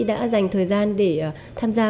đã dành thời gian để tham gia